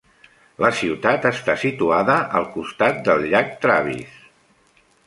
La ciutat està situada al costat del llac Travis.